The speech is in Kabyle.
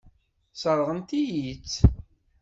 Sseṛɣen-iyi-tt.